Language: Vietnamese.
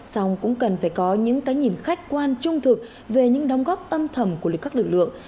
xong cũng cần phải có những cái nhìn khách quan trung thực về những đóng góp âm thầm của lịch các lực lượng